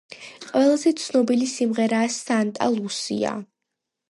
ყველაზე ცნობილი სიმღერაა „სანტა ლუსია“.